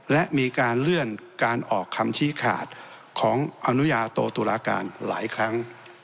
และมีการเลื่อนการออกคำชี้ขาดของอนุญาโตตุลาการหลายครั้ง